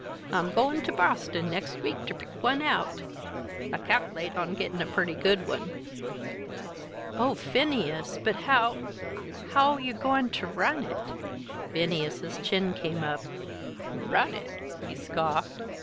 "I'm goin' ter Boston next week ter pick one out. I cal'late on gettin' a purty good one." "Oh, Phineas! But how how you goin' ter run it?" Phineas's chin came up. "Run it!" he scoffed.